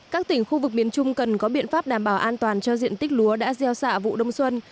các tỉnh khu vực miền trung cần có biện pháp đảm bảo an toàn cho diện tích lúa đã gieo xạ vụ đông xuân